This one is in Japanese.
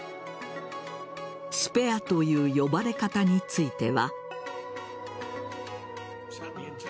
スペアという呼ばれ方については。